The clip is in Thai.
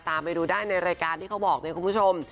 ตามไปดูได้ในรายการที่เขาบอกเนี่ยคุณผู้ชม